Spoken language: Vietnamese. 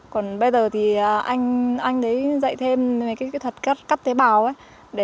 còn bây giờ thì anh ấy dạy thêm cái kỹ thuật cắt tế bào ấy để giúp hai vợ chồng cùng làm